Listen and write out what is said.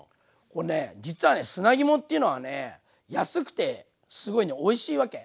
これね実は砂肝っていうのは安くてすごいおいしいわけ。